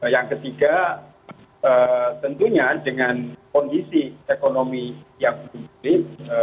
yang ketiga tentunya dengan kondisi ekonomi yang belum pulih